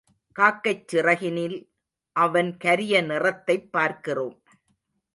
காக்கைச் சிறகினில் அவன் கரிய நிறத்தைப் பார்க்கிறோம்.